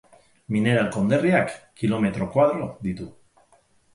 Mineral konderriak kilometro koadro ditu.